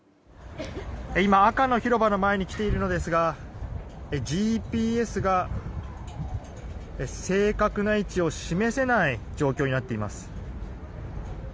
今、赤の広場の前に来ているのですがＧＰＳが、正確な位置を示せない状況になっています。